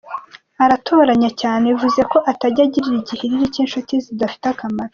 Aratoranya cyane, bivuze ko atajya agira igihiriri cy’inshuti zidafiter akamaro.